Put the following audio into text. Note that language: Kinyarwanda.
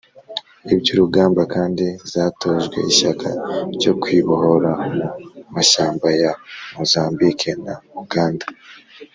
iby'urugamba kandi zatojwe ishyaka ryo kwibohora mu mashyamba ya mozambike na uganda.